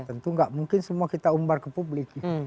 tentu nggak mungkin semua kita umbar ke publik